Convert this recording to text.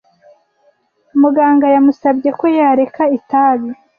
Muganga yamusabye ko yareka itabi.